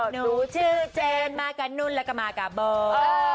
หนูชื่อเจนมากับนุนแล้วก็มากับเบอร์